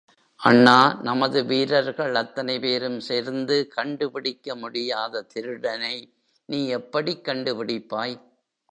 அண்ணா, நமது வீரர்கள் அத்தனைபேரும் சேர்ந்து கண்டு பிடிக்க முடியாத திருடனை நீ எப்படிக் கண்டுபிடிப்பாய்!